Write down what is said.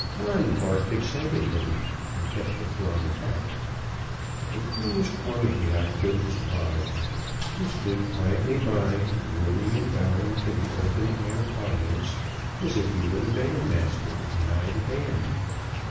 Don barked excitedly and kept the throng back. The coolest one of the outfit was Pod. He stood quietly by, grinning and bowing to the open air audience, as if he were the bandmaster and I the band.